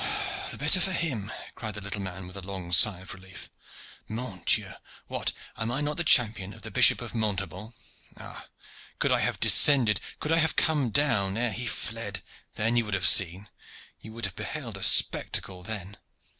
"The better for him!" cried the little man, with a long sigh of relief. "Mon Dieu! What! am I not the champion of the Bishop of Montaubon? Ah, could I have descended, could I have come down, ere he fled! Then you would have seen. You would have beheld a spectacle then.